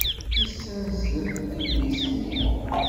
Yessenz adlis-nni.